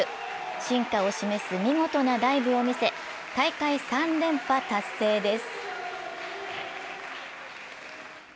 進化を示す見事なだいぶを見せ大会３連覇達成です。